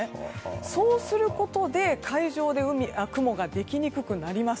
そうすることで海上で雲ができにくくなります。